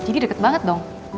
jadi deket banget dong